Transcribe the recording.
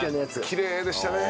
きれいでしたね。